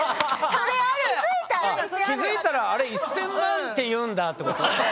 気づいたらあれ１，０００万って言うんだってこと？